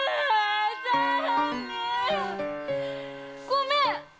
ごめん！